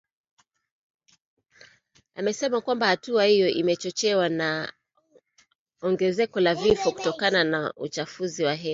Amesema kwamba hatua hiyo imechochewa na ongezeko la vifo kutokana na uchafuzi wa hewa ulimwenguni.